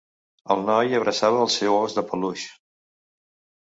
El noi abraçava el seu os de peluix.